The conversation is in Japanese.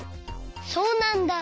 そうなんだ。